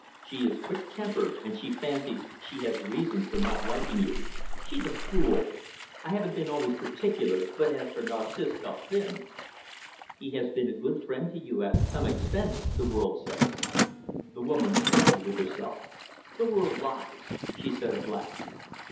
She is quick tempered, and she fancies she has reasons for not liking you." "She's a fool. I haven't been always particular, but as for Narcisse Dauphin " "He has been a good friend to you at some expense, the world says." The woman struggled with herself. "The world lies!" she said at last.